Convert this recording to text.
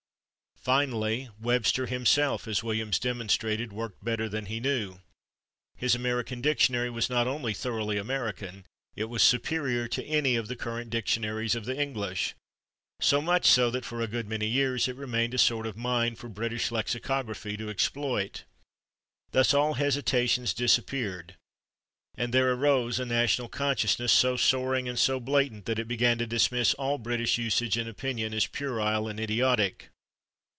Finally, Webster himself, as Williams demonstrated, worked better than he knew. His American Dictionary was not only thoroughly American: it was superior to any of the current dictionaries of the English, so much so that for a good many years it remained "a sort of mine for British lexicography to exploit." Thus all hesitations disappeared, and there arose a national consciousness so soaring and so blatant that it began to dismiss all British usage and opinion as puerile and idiotic.